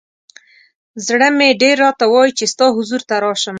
ز ړه مې ډېر راته وایی چې ستا حضور ته راشم.